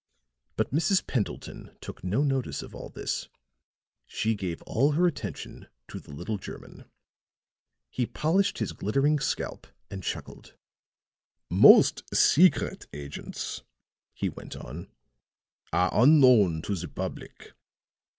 But Mrs. Pendleton took no notice of all this; she gave all her attention to the little German. He polished his glittering scalp and chuckled. "Most secret agents," he went on, "are unknown to the public.